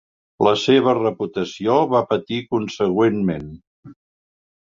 La seva reputació va patir consegüentment.